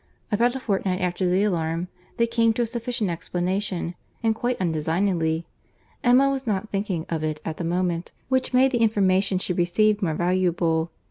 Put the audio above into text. —About a fortnight after the alarm, they came to a sufficient explanation, and quite undesignedly. Emma was not thinking of it at the moment, which made the information she received more valuable.